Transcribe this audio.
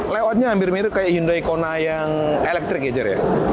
layoutnya hampir mirip kayak hyundai kona yang elektrik ya jar ya